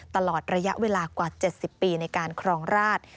ตลอดระยะเวลากว่า๗๐ปีในการครองราช